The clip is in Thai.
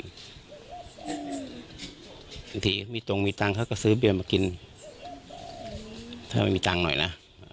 บางทีมีตรงมีตังค์เขาก็ซื้อเบียนมากินถ้าไม่มีตังค์หน่อยนะ